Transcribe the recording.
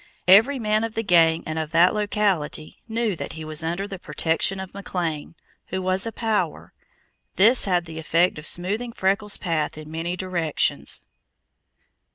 Every man of the gang and of that locality knew that he was under the protection of McLean, who was a power, this had the effect of smoothing Freckles' path in many directions.